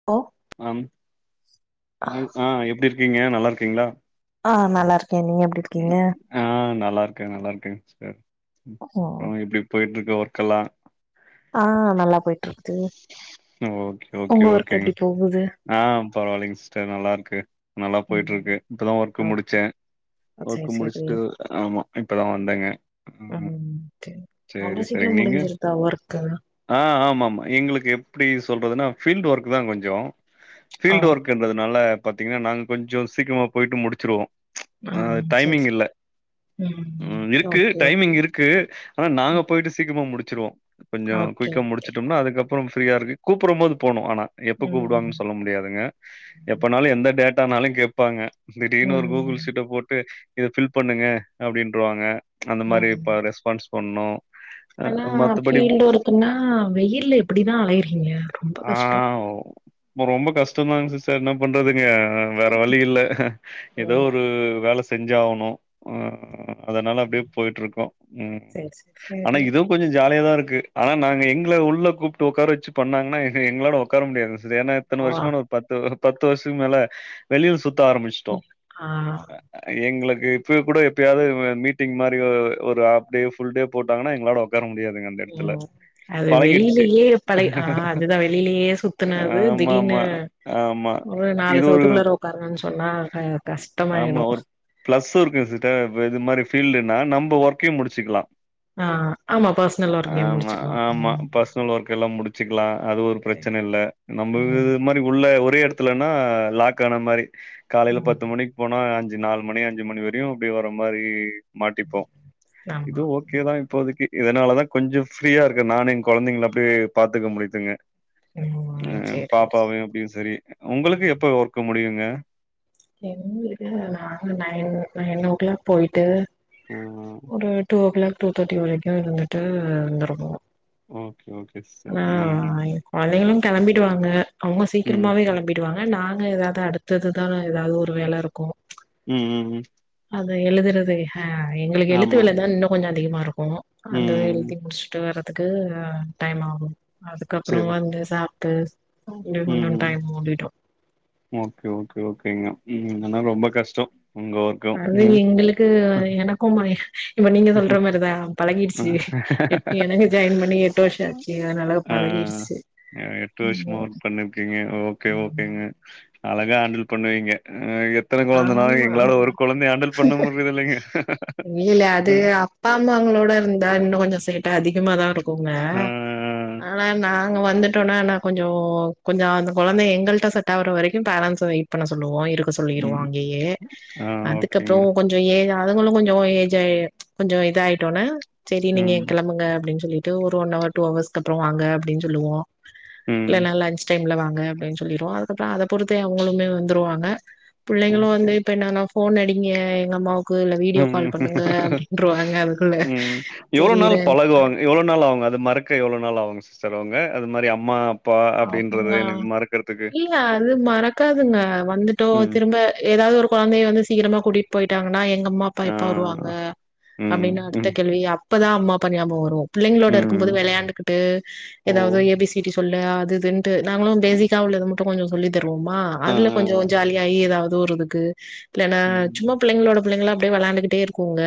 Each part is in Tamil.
ம் ஓ அம் ஆ எப்டி இருக்கீங்க நல்லா இருக்கீங்களா ஆ நல்லா இருக்க நீங்க எப்டி இருக்கீங்க ஆ நல்லா இருக்க நல்லா இருக்க சிஸ்டர் அப்பற எப்டி போயிட்டு இருக்கு ஒர்க்கல்லா ஆ நல்லா போயிட்டு இருக்கு அ ஓகே ஓகே ஒர்க் ஓகேங்க எப்டி போகுது ஆ பரவாயில்லங்க சிஸ்டர் நல்லா இருக்கு நல்லா போயிட்டு இருக்கு ம் இப்பதா ஒர்க் ஆ முடிச்ச [unintelligible] சேரி ஆமா இப்பதா வந்தங்க அம் ஓகே அவ்ளோ சீக்கிர நீங்க? முடிஞ்சிருதா ஒர்க்கு ஆ ஆமா ஆமா எங்களுக்கு எப்டி சொல்றதுன்னா ஃபீல்டு ஒர்க் தா கொஞ்சோ ஆ ஃபீல்டு ஒர்க் குன்றதுனால பாத்தீங்கன்னா நாங்க கொஞ்சோ சீக்கரமா போயிட்டு முடிச்சிருவோ ஆ அ சேரி டைமிங் இல்ல ம் இருக்கு ஓகே ஓகே டைமிங் இருக் கு ஆனா நாங்க ம் போயிட்டு சீக்கிரமா முடிச்சிருவோ கொஞ்சோ ஓகே குயிக்கா ஓகே முடிச்சோட்டோம்னா அதுக்கு அதுக்கு அப்பற ஃப்ரீயா இருக்கு கூப்புடும் போது போனு ஆனா எப்ப ம் கூப்புடுவாங்கன்னு சொல்ல முடியாதுங்க எப்பனாலு எந்த டேட்டானாலு கேப்பாங்க திடீர்னு ஒரு கூகுள் ம் ஷீட்ட போட்டு இது ஃபில் பண்ணுங்க அப்டின்றுவாங்க அந்த மாதிரி ம் இப்ப ரெஸ்பான்ஸ் பண்ணு ஆனா ஃபீல்டு ஒர்க்கன்னா வெயில்ல எப்டித்தா அலையிறீங்க ஆ இப்ப ரொம்ப கஷ்டதாங்க சிஸ்டர் என்ன பண்றதுங்க அ வேற வழி இல்ல ஏதோ ம் ஒரு வேல செ செஞ்சாகனு ம் அதனால அப்டியே போயிட்ருக்கோ ம் சேரி சேரி ஆனா சேரி இதுவு கொஞ்சோ ஜாலியா தா இருக்கு ஆனா நாங்க எங்கள உள்ள கூப்ட்டு ஒக்கார வச்சு பண்ணாங்கன்னா எங்களோட ஒக்கார முடியாது ஏனா இத்தனை ஆ வருஷமா ஒரு பத்து பத்து வருஷத்து மேல வெளில சுத்த ஆரம்ச்ட்டோ ஆ எங்களுக்கு இப்பயே கூட எப்பயாவது மீட்டிங் மாரி ஒரு ஹாஃப் டே ஃபுல் டே போட்டாங்னா எங்களோட ஒ க்கார முடியாதுங்க ம் அது பழகிடுச்சு வெளியிலேயே பழ ஆ அதுதா வெளியிலேயே சு த்துனது ஆமா திடீனு ஆமா ஆமா ஒரு இது நாலு ஒரு செவுத்துக்குள்ள ஒக்காருங்கன் சொன்னா ஆமா கஷ்டமாயிடு ஒரு பிளஸ்ஸு இருக்கு சிஸ்டர் இது மாரி ஃபீல்டுன்னா நம்ம ஒர்க்கையு முடிச்சுக்லா ஆ ஆமா பர்சனல் ஒர்க்கையு முடிச்சிக்லா ஆமா. ம் பர்சனல் ஒர்க்கெல்லா முடிச்சுக்லா அது ஒரு சேரி பிரச்சன இல்ல நம்ம ம் இது மாரி இது உள்ள ஒரே எடத்துலன்னா லாக் ஆன மாரி காலைல ம் பத்து மணி போனா அஞ்சு நால் மணி அஞ்சு மணி வரையு அப்டி வர மாரீ மாட்டிப்போ ஆமா இது ஒ க்கேதா இப்போதைக்கி இதனாலதா கொஞ்சோ ஃப்ரீயா இருக்கே நானு எங் கொழந்தைங்கள அப்டியே பாத்துக்க முடியுதுங்க ம் சேரி சேரி சேரி பாப்பாவையு அபியு செரி உங்களுக்கு எப்ப ஒர்க்கு முடியுங்க எங்ளுக்கு நாங்க நயன் நயன் ஓ கிளாக் போய்ட்டு ஆ. ஒரு டூ ஓ கிளாக் டூ தேட்டி வரைக்கு இருந்துட்டு வந்துருவோ ம் ஓகே ஓகே சிஸ் ஆ எங் கொழந்தைகளு கெளம்பிடுவாங்க அவுங்க ம். சீக்கிரமாவே கெளம்பி டுவாங்க நாங்க ஏதாவது அடுத்ததுதா ஏதாவது ஒரு வேல இருக்கு ம் ம் ம் அது எழுதறது ஆ எங்களுக்கு எழுத்து ஆமா. வேலை தா இன்னு கொஞ்சோ அதிகமா இருக்கு அந்த எழ் ம். தி முடிச்சுட்டு வர்றதுக்கு டைம் ஆகு அதுக்கப்பற சரி. வந்து சாப்ட்டு ம் இங்க கொஞ்சோ டைம் ஓடிடு ஓக்கே ஓக்கே ஓக்கேங்க ம் ஆனா ரொம்ப கஷ்டோ உங்க ஒர் அது எங்களுக்கு எனக்கும் இப்ப நீங்க சொல்ற மாரிதா பழகிடுச்சு எட் எனக்கு ஜாயின் பண்ணி எட்டு வருஷோ ஆச்சு அதனால ஆ பழகிடுச்சு எட்டு வருஷமா ம் ஒர்க் பண்ணிருக்கீங்க ஓக்கே ம். ஓக்கேங்க அழகா ஹேண்டல் பண்ணுவீங்க ஆ எ த்தன கொழந்த நாலு ஆமா எங்களால ஒரு கொழந்த ஹேண்டல் பண்ண முட்றதில்லைங்க ம் பாமாங்களோட இருந்தா இன்னு கொஞ்சோ சேட்ட அதிகமாதா இருக்குங்க ஆ ஆனா நாங்க வந்துட்டோனா நா கொஞ்சோ கொஞ்ச அந்த கொழந்தைங்க எங்கள்ட்ட செட் ஆவற வரைக்கு பேரன்ஸ்சு வெயி ட் பண்ண சொல்லுவோ இருக்க சொல்லிருவோ ம் அங்கேயே ஆ அதுக்கப்றோ ஓகேங்க கொ ஞ்ச ஏஜ் அதுங்களு கொஞ்ச ஏஜ் அயி கொஞ்ச இதா ஆயிட்டோன சரி நீங்க ம் எ கெளம்புங்க அப்டின் சொல்லி ட்டு ஒரு ஒன் அவர் டூ அவர்ஸ்க்கு அப்றோ வாங்க அப்டின் சொல்லுவோ ம் இல்லனா லஞ்ச் டைம்ல வாங்க அப்டின் சொல்லிருவோ அதுக்கப்றோ அத பொறுத்தே அவங்களுமே வந்துருவாங்க புள்ளைங்களு ஓகே வந்து இப்ப என்னன்னா ஃபோன் அடிங்க எங்க அம்மாவு க்கு வீடியோ கால் பண்ணுங்க ம் அப்டின்ருவாங்க அதுக்குள்ள ம் எவ்ளோ சரி நாள் இரு பழகுவாங்க எவ்ளோ நாள் ஆகுங்க அது மறக்க எவ்ளோ நாள் ஆகுங்க சிஸ்டர் அவுங்க அது மாரி அம்மா அ அவங்க இல்ல அது மறக்காதுங்க வந்துட்டோ ம். திரும்ப ஏதாவது ஒரு கொழந்தையை வந்து சீக்கிரமா கூட்டிட்டு போயிட்டாங்கன்னா எங்க அம்மா அப்பா ஆ. எப்பா வருவாங்க ம். அப்டின்னு அடுத்த ம். கேள்வி இப்பதான் அம்மா அப்பா ஞாபகம் வரும் பிள்ளைங்களோட இருக்கும் ம். போது வெளையாண்டுக்கிட்டு ஓ! ஏதாவது ஏ பி சி டி சொல்ல துதுண்டு நாங்களு பேசிக்கா உள்ளத மட்டு கொஞ்சொ சொல்லி தருவோமா ஆ, அதுல ஆ, கொஞ்சொ ஆ. ஜாலி ஏய் ஏதாவது உர்ரதுக்கு இல்லன்னா ம். சும்மா பிள்ளைங்களோட பிள்ளைங்களா அப்டியே விளையாண்டுக்கிட்டே இருக்குங்க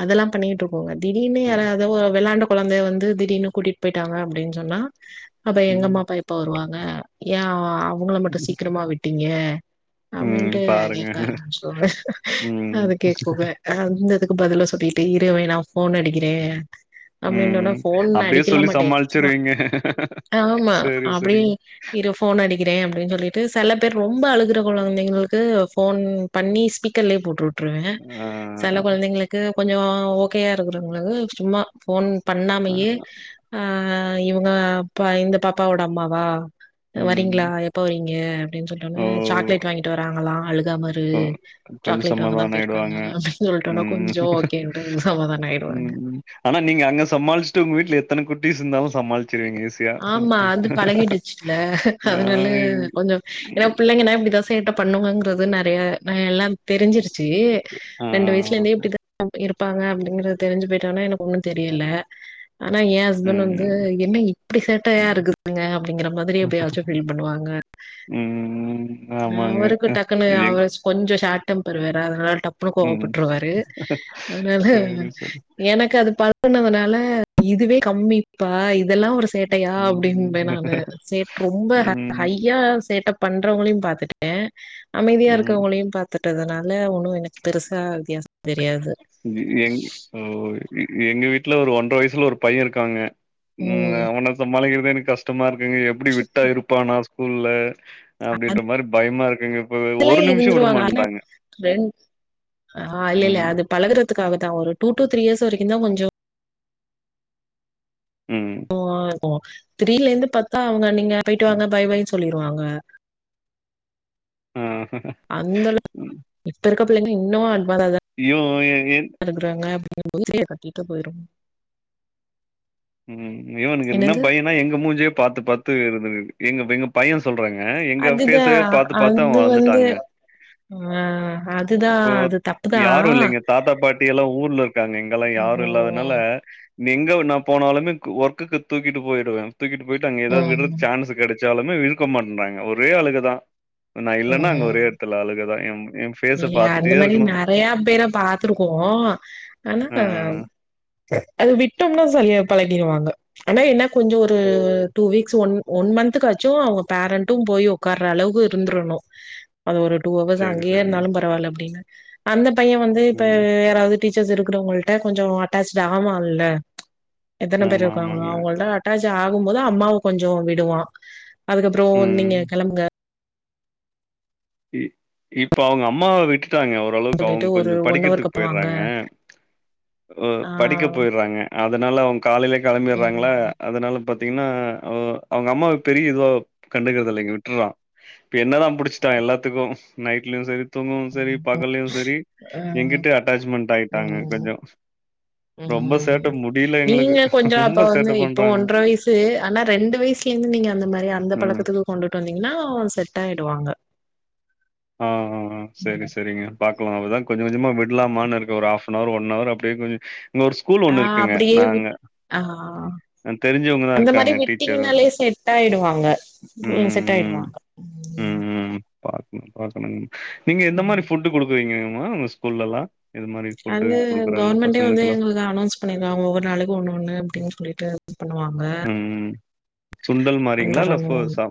அதெல்லாம் பண்ணிகிட்டு இருக்குங்க திடீர்னு ம். யாராது வெளன்ட குழந்தைய வந்து திடீர்னு கூட்டிட்டு போயிட்டாங்க அப்டின்னு சொன்னா அப்ப எங்க அம்மா ம். அப்பா எப்ப வருவாங்க ஏன் அவங்கள மட்டும் சீக்கிரமா விட்டீங்க ம். அப்டின்ட்டு பாருங்க. கேக்க ஆரம்பிச்சிருவாங்க ம். அது கேக்குங்க அந்ததுக்கு பதில சொல்லிட்டு இரு வே நா ஃபோன் அடிக்கிறே அப்டின் சொன்னா ம். ஃபோன் அப்டியே அடிக்கலா சொல்லி மாட்டே சும்மா சமாளிச்சுருவீங்க. ஆம்மா சரி, அப்டி சரிங்க. இரு ஃபோன் அடிக்கிறே அப்டின் சொல்லிட்டு செல பேர் ரொம்ப அழுகுற கொழந்தைகளுக்கு ஃபோன் பண்ணி ஸ்பீக்கர்லயே போட்டு வுட்டுருவே ஆ, சில கொழந்தைங்குளுக்கு கொஞ்சோ ஓகையா இருக்குற உங்குளுக்கு சும்மா ஃபோன் ஆ. பண்ணாமயே ஆ இவுங்க அப்பா இந்த பாப்பாவோட அம்மாவா ம். வரீங்களா எப்ப வரீங்க அப்டின்னு சொல்டோன ஓ! சாக்லேட் வாங்கிட்டு வராங்களா அழுகாம இரு ரு ஓ! கொஞ்சம் சாக்லேட் வாங்கதான் சமாதானம் போயிருக்காங்க ஆயிடுவாங்க. அப்டின்னு சொல்லிட்டோனா ம். கொஞ்சோ கேட்டு சமாதானம் ம் ஆயிடுவாங்க ம் ஆனா நீங்க அங்க சமாளிச்ட்டு உங்க வீட்ல எத்தன குட்டிஸ் இருந்தாலு சமாளிச்சிருவீங்க ஈஸ் ஆமா அது பழகிடுச்சுல ஆ அதனால கொஞ்சொ ஏன்னா பிள்ளைங்கனா இப்டிதான் சேட்ட பண்ணுங்கறது நெறைய நான் எல்லா தெரிஞ்சிருச்சு ஆ ரெண்டு வயசுல இருந்தே இப்டி தான் இருப்பாங்க அப்டிங்கறத தெரிஞ்சு போயிட்டோனா எனக்கு ஒன்னு தெரியல ஆனா என் ஹஸ்பண்ட் வந்து ம். என்ன சேட்டைய இருக்குதுங்க அப்டிங்கற மாதிரி எப்பெயாச்சும் பீல் பண்ணுவாங்க ம் ஆமாங்க. அவரு டக் அ டக்குன்னு எங் அவர் கொஞ்சோ ஷார்ட் டெம்பர் வேற அதனால டப் புனு ம். கோவப்பட்ருவாரு அதனால சரி, சரி. எனக்கு அது ப ழகுனதுனால இதுவே கம்மிப்பா இதெல்லா ஒரு சேட்டையா அப்டீன்ப ம். நானு சேட் ரொம்போ அ ம், ஹையா சேட்டப் பண்றவங்களையு பாத்துட்டே அமைதியா ம். இருக்கவுங்களையு பாத் த்துட்டதுனால ஒன்னோ எனக்கு பெருசா வித்தியாசோ தெரியாது இது எங் ஓ எ எங்க வீட்ல ஒரு ஒன்றர வயசுல ஒரு பைய இருக்காங்க ம் அவன சமாளிக்கிறதே எனக் கஷ்டமா இருக்குங்க எப்டி விட்டா இருப்பானா ஸ்கூல்ல அப்டீன்ற மாரி பயமா இருக்குங்க இப்பவே ஒரு இதெல்லாம் நிமிஷோ இருந்துருவாங்க. ஆனா, விடமாட்டேன்றாங்க ரெண் அ இல்ல இல்ல ம். அது பழகறதுக்காக தா ஒரு டூ டூ த்ரீ இயர்ஸ் வரிக்கு தா கொஞ்சோ ம் ம் சும்மாவே இருக்குவா திடீர்னு எழுந்து பாத்தா அவுங்க நீங்க போயிட்டு அ. வாங்க பாய் பாய்னு சொல்லிருவாங்க ம் ஹம் ம் அந்த அளவுக் இப்ப இருக்க பிள்ளைங்க இன்னமோ அன்பா தா தா யூ ஐ ஏ என் எடுக்குறாங்க அப்டீன்னும்போது சேலைய கட்டிட்டு போயிருனோ ம் இவனுக்கு என்ன என்னது? பயோனா எங்க மூஞ்சியே பாத்து பாத்து இருந்தருக்குது எங்க எங்க பைய சொல்றங்க எங்க அதுதா ஃபேஸ்ஸ பாத்து பாத்து அவ அது வந்து வளந்துட்டாங்க ஆ அதுதா இப்ப அது தப்புதா யாரோ இல்லீங்க தாத்தா பாட்டி எல்லா ஊர்ல இருக்காங்க இங்கெல்லா யாரோ இல்லாதனால ம் நீ எங்க நா போனாலுமே ஒர்க்ககு தூக்கிட்டு போயிடுவே தூக்கிட்டு போயிட்டு அங்க எதாவது விடறதுக் ம் சான்ஸு கெடைச் சாலுமே விருக்க மாட்டேன்ட்றாங்க ஒரே அழுகதா நா இல்லன்னா அங்க ம் ஒரே எட்த்துல அழுகதா எம் எ இல்ல அந்த மாரி நறையா பேர பாத்துருக்கோ ஆனா அ. ம் அது விட்டோம்னா செரியா பழகிருவாங்க ஆனா என்ன கொஞ்சோ ஒரு ஓ டூ வீக்ஸ் ஒன் ஒன் மந்த்காச்சோ அவுங்க பேரண்ட்டோ போய் ஒக்கார அளவுக்கு இருந்தர்ணோ அது ஒரு டூ அவ்வர்ஸ் அங் சரி சரி ஏர்ன்னாலு பரவால்ல அப்டீன்னு அந்த பைய வந்து இப்ப ம் யாராவது டீச்சர்ஸ் இருக்கறவுங்கள்ட்ட கொஞ்சோ அட்டாச்ட்டு ஆவால எத்தன பேரு ஆமா இருக்காங்களோ ஆமாங்க அவங்கள்ட்ட அட்டாஜ்ஜு ஆகும்போது அம்மாவ கொஞ்சோ விடுவா அதுக்கப்புறோ ம் நீங்க கெளம்புங்க இ இப்ப அவுங்க அம்மாவ விட்டுட்டாங்க ஓரளவுக்கு சொல்லிட்டு அவுங்க ஒரு கொஞ்சோ ஒன் ஹவருக்கு படிக்கறதுக்கு அப்றோ வாங்க போய்றாங்க ம் ஆ படிக்க போய்றாங்க அதனால அவுங்க காலைலயே கெளம்பிறாங்களா ம் அதனால பாத்தீங்கன்னா அ அவங்க அம்மாவ பெரிய இதுவா கண்டுக்கறதில்லங்க விட்டுறா இப்ப என்னதா புடிச்சிட்டா எல்லாத்துக்கோ நைட்லயு செரி தூங்குவோ செரி பகல்லயு செரி ஆ எங்கிட்ட அட்டாச்மென்ட் ஆயிட்டாங்க கொஞ்சோ ம் ரொம்ப ம் சேட்ட முடியல எங்களுக்கு நீங்க கொஞ்சோ ரொம்ப அப்பா வந்து சேட்ட இப்போ பண்றாங்க ஒன்றர வயசு ஆனா ரெண்டு வயசுல இந்து நீங்க அந்த மாரி அந்த ம் பழக்கத்துக்கு கொண்டுட்டு வந்தீங்கன்னா செட் ஆயிடுவாங்க அ ஆ அ செரி செரிங்க பாக்கலா அப்பதா கொஞ்ச கொஞ்சமா விடலாமான்னு இருக்கு ஒரு ஹஃப்னவர் ஒன்னவரு அப்டியே கொஞ்சோ இங்க ஒரு ஸ்கூல்லு ஒண்ணு இருக்குங்க நாங்க அ ஹ நான் தெரிஞ்சவங்க தான் அந்த மாரி இருக்காங்க டீச்சர் விட்டிங்னாலே செட்டாயிடுவாங்க ம் செட்டாயிடுவாங்க ம் ம் பாக்கணு பாக்கணுங்க நீங்க எந்த ம் மாரி ஃபுட் குடுக்குறீங்கம்மா உங்க ஸ்கூல்லெல்லா அதுவே கவர்மெண்ட்டே வந்து எங்களுக்கு வந்து அன்னோன்ஸ் பண்ணிருக்காங்க ஒவ்வொரு நாளைக்கு ஒண்ணு ஒண்ணு அப்டின் சொல்லிட்டு ஸ் பண்ணுவாங்க ம் சுண்டல் மாறீங்களா இல்ல தரணும் ஃபோர்ஸா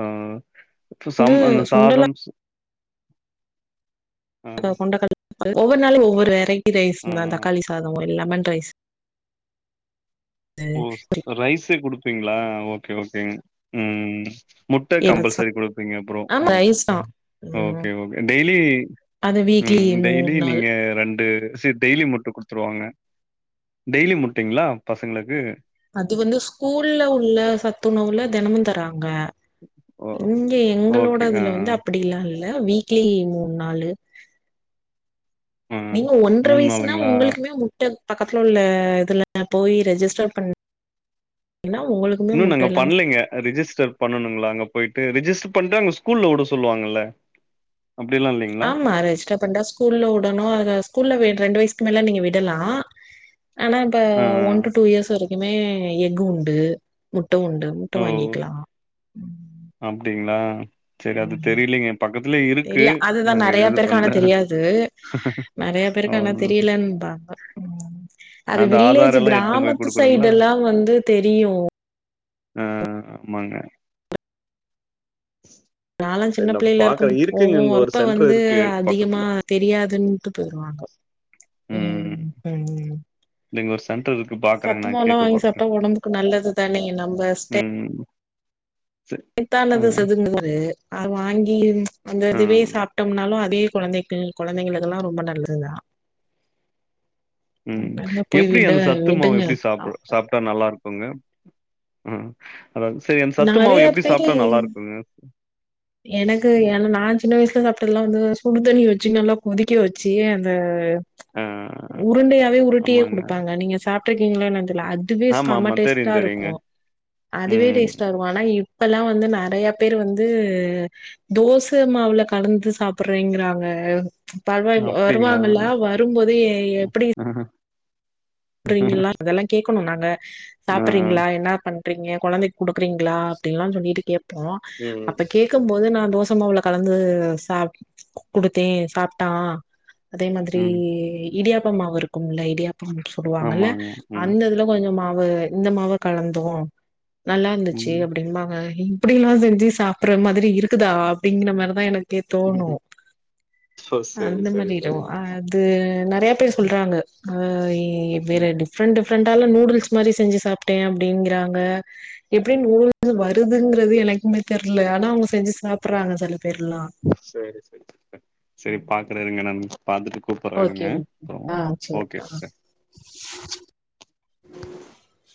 ஆ சம் வந்து சாம் அந்த சுண்டலா சாதம் ஸ் ஆ ல கொண்ட கட் ஒவ்வொரு நாளும் ஒவ்வொரு வெரைட்டி ரைஸ் ஆ ங்க தக்காளி சாதோ லெமன் ரைஸ் ஓ ரைஸே குடுப்பீங்ளா ஓகே ஓகேங்க ம் முட்ட கம்பல்சரி குடுப்பீங்க அப்றோ ஆமா ஓகே ரைஸ் தான் ம் ஓகே ஓகே டெய்லி அது வீக்லி ம் டெய்லி மூணு நாள் நீங்க ரெண்டு [unintelligible] டெய்லி முட்ட குடுத்துருவாங்க டெய்லி முட்டேங்களா பசங்களுக்கு அது வந்து ஸ்கூல்ல உள்ள சத்துணவுல தெனமு தராங்க ஓ இங்க எங்களோட ஓகே. ஆ, அதுல வந்து அப்டில்லா இல்ல வீக்லி மூணு நாலு ஆ. ம். நீங்க ஒன்ற வயசுனா நாளுங்களா? ஒங்களுக்குமே முட்ட பக்கத்துல உள்ள இதல போயி ரெஜிஸ்டர் பண் னா ஒங்களுக் இன்னு நாங்க பண்லேங்க ரிஜிஸ்டர் பண்ணனுங்களா அங்க போயிட்டு ரிஜிஸ்டர் பண்ணிட்டா அங்க ஸ்கூல்ல விட சொல்லுவாங்கல்ல அப்படிலாம் இல்லைங்களா? ஆமா ரெஜிஸ்டர் பண்டா ஸ்கூல்ல வுடணு அது ஸ்கூல்ல ரெண்டு வயசுக்கு மேல நீங்க விடலா ஆனா இப்ப ஆ, ஒன் ஆ. டு டூ இயர்ஸ் வரைக்குமே எஃகு உண்டு முட்ட உண்டு முட்ட வாங்கிக்கலா அப்டிங்களா செரி அது தெரியலிங்க எ பக்கத்துலே இருக்கு இல்ல அதுதா நாங்க எது பண்ல நெறையா பேருக்கு ஆனா தெரியலன்பாங்க அது அந்த ஆதார் வில்லேஜ் எல்லாம் எடுத்துன்னு போய் கிராமத்து சைடு குடுக்கணுங்களா? எல்லா வந்து தெரியு ஆ ஆமாங்க நாலா சின்ன சரி நான் பிள்ளேல இருக்கு பாக்குறேன். இருக்குங்க போவோ இங்க ஒரு அப்ப சென்டர் வந்து இருக்கு பக்கத்துல. அதிகமா தெரியாதுன்ட்டு போயிர்வாங்க ம் ம் ந்தா இங்க ஒரு சென்டருக்கு பாக்குறேங்க நா சத்துமாவுலா கேட்டு வாங்கி பாக்குறே சாப்ட்டா ஒடம்புக்கு நல்லது தானே நம்ம ம் ம் த்தானது செதுங்ரது அ வாங்கி அந்த ஆ இதுவே சாப் ட்டோம்னாலு அதே கொழந்தைக்கு குழந்தைகளுக்கெல்லா ரொம்ப நல்லதுங்க ம் தெர்ல போய் விட விடுங்க முட்ட நல்லா இருக்குங்க உ அத வச் எ சத்து மாவு நெறைய எப்டி பேரு சாப்டா நல்லா இருக்குங்க எனக்கு ம். ஏனா நா செ சின்ன வயசுல சாப்டதுலா வந்து சுடுதண்ணி வச்சு நல்லா கொதிக்க வச்சு அந்த ஆ உருண்டயாவே உருட்டியே ஆமாங்க குடுப்பாங்க நீங்க சாப்டுருக்கீங்ளா என்னனு தெர்ல அ துவே ஆமா செம ஆமா தெரியு டேஸ்ட்டா தெரியுங்க இருக்கு அதுவே ம் டேஸ்ட்டா இருக் ஆனா இப்பெல்லா வந்து நெறையா பேர் வந்து அ தோச மாவுல கலந்து சாப்றேங்குறாங்க பர்வாங் அப்டிங்களா வருவாங்கலா வரும்போது எ எப்டி ஆ ஹா ட்றீங்கலா அதெல்லா கேக்கணு நாங்க ஆ சாப்பிர்றீங்ளா என்னா பண் பன்றீங்க கொழந்தைக்கு குடுக்குறீங்களா அப்டில்லா சொல்லிட்டு கேப்போ அப்ப ம் கே க்கு போது நா தோசமாவுல கலந்து சா குடுத்தே சாப்ட்டா அதே மாத்ரி ம் இடியாப்ப மாவு இருக்கும்ல்ல இடியாப்ப சுடுவாங்கல்ல ஆமாங்க ம் அந்த இதுல கொஞ்சோ மாவு இந்த மாவ கலந்தோ நல்லாருந்துச்சு ம் அப்டிம்பாங்க இப்டிலா செஞ்சு சாப்பிர்ர மாதிரி இருக்குதா அப்டிங்கிற மாரிதா எனக்கு எனக்கே தோணு ஓ சரி அந்த சரி மாரிருகு சரிங்க அது நெறையா பேர் சொல்றாங்க ஆ இ ம் வேறடி டிஃப்ரெண்ட் டிஃப்ரெண்டால நூடுல்ஸ் மாரி செஞ்சு சாப்ட்டே அப்டிங்றாங்க எப்டி நூடுல்ஸு வருதுங்றது எனக்குமே தெர்ல ஆனா அவங்க செஞ்சு சாப்பிர்றாங்க செல பேர்லா செரி செரி பாக்குறே இருங்க நா பாத்துட்டு கூப்ட்றே இருங்க ஓகே ஓகே அப்றோ ஆ சேரி ஓகே சிஸ்டர்